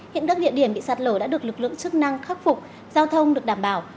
hiện các địa điểm bị sạt lở đã được lực lượng chức năng khắc phục giao thông được đảm bảo